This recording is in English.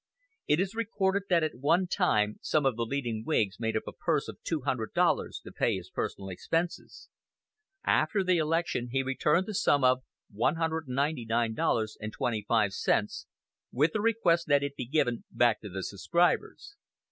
It is recorded that at one time some of the leading Whigs made up a purse of two hundred dollars to pay his personal expenses. After the election he returned the sum of $199.25, with the request that it be given back to the subscribers.